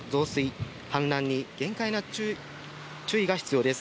土砂災害や河川の増水、氾濫に注意が必要です。